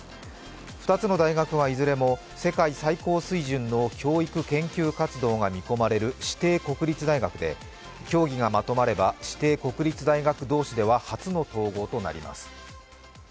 ２つの大学はいずれも世界最高水準の教育研究活動が見込まれる指定国立大学で、協議がまとまれば指定国立大学同士では初の統合となります。